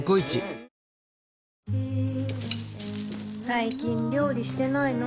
最近料理してないの？